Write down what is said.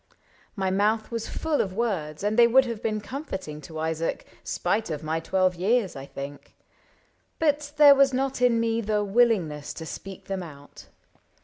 My mouth was full Of words, and they would have been comforting To Isaac, spite of my twelve years, I think ; But there was not in me the willingness To speak them out.